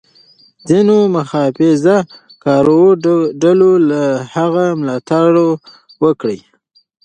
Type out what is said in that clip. ځینو محافظه کارو ډلو له هغه ملاتړ وکړ.